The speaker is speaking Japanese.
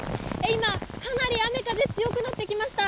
今、かなり雨風強くなってきました。